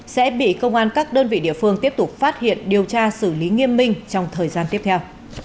sẽ bị công an các đơn vị địa phương tiếp tục phát hiện điều tra xử lý nghiêm minh trong thời gian tiếp theo